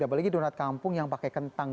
apalagi donat kampung yang pakai kentang